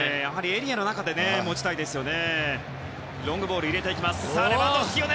エリアの中で持ちたいですよね。